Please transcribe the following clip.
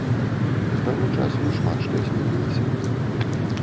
З таго часу шмат што змянілася.